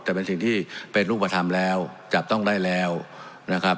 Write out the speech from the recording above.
แต่เป็นสิ่งที่เป็นรูปธรรมแล้วจับต้องได้แล้วนะครับ